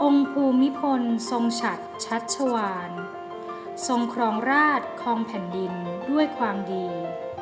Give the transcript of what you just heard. ภูมิพลทรงฉัดชัชวานทรงครองราชครองแผ่นดินด้วยความดี